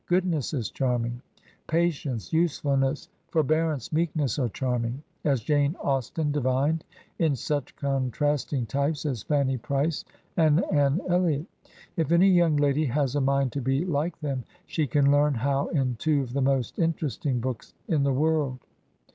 Goodness is charming, patience, usefulness, for bearance, meekness, are charming, as Jane Austen di vined in such contrasting types as Fanny Price and Anrie Eliot. If any young Lady has a mind to be like them, she can learn how in two of the most interesting books in the world.